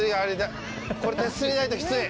これ手すりないときつい。